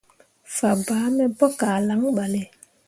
Fabaa me pu kah lan ɓale.